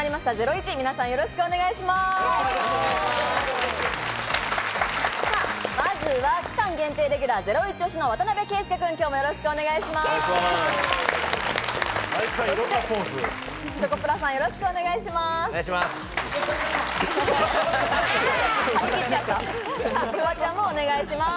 そしてチョコプラさん、よろしくお願いします。